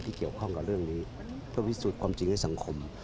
เกี่ยวข้องกับเรื่องนี้เพื่อพิสูจน์ความจริงให้สังคม